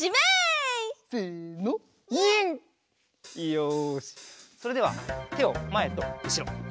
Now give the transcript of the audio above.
よしそれではてをまえとうしろ。